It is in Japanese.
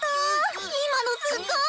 今のすごい！